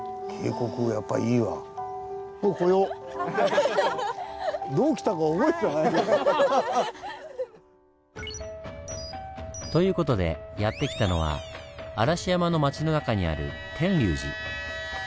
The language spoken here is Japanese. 渓谷やっぱいいわ。という事でやって来たのは嵐山の町の中にある天龍寺。